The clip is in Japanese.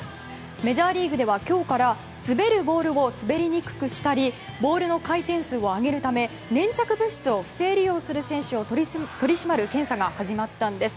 メジャーリーグでは今日から滑るボールを滑りにくくしたりボールの回転数を上げるため粘着物質を不正利用する選手を取り締まる検査が始まったんです。